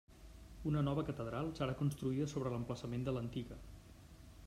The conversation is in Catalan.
Una nova catedral serà construïda sobre l'emplaçament de l'antiga.